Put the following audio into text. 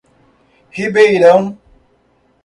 Ribeirão